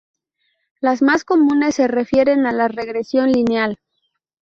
Las más comunes se refieren a la regresión lineal.